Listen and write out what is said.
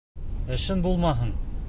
Эшең булмаһын!